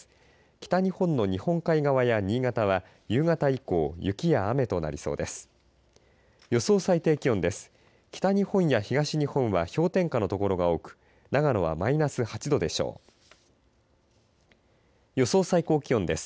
北日本の日本海側や新潟は夕方以降雪や雨となりそうです。